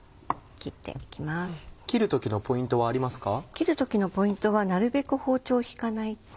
切る時のポイントはなるべく包丁を引かない。